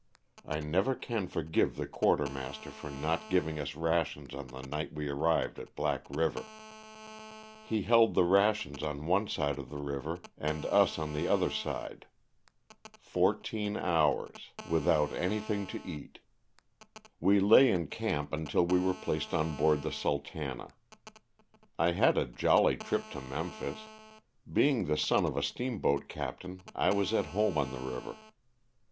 I never can forgive the quartermaster for not giving us rations on the night we arrived at Black river. He held the rations on one side of the river and us on the other side fourteen hours without any 344 LOSS OF THE SULTAl^ A. thing to eat. We lay ia camp until we were placed on board the *^ Sultana." I had a jolly trip to Mem phis. Being the son of a steamboat captain I was at home on the river.